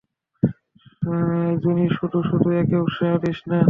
জুনি, শুধু শুধু একে উৎসাহ দিস না।